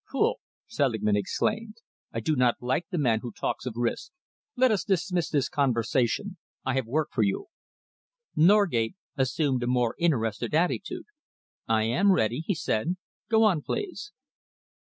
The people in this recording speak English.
"Pooh!" Selingman exclaimed. "I do not like the man who talks of risks. Let us dismiss this conversation. I have work for you." Norgate assumed a more interested attitude. "I am ready," he said. "Go on, please."